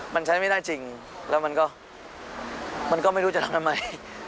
มันใช้ไม่ได้จริงแล้วมันก็มันก็ไม่รู้จะทำทำไม